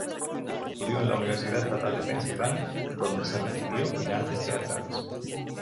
Estudió en la Universidad Estatal de Pensilvania donde se recibió en Artes teatrales.